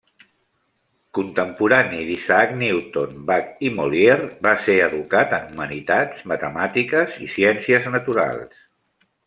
Contemporani d'Isaac Newton, Bach i Molière, va ser educat en humanitats, matemàtiques i ciències naturals.